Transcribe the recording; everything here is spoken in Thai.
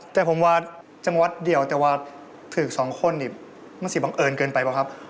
แต่ผมว่าจังหวัดเดียวแต่ว่าถือกสองคนนี่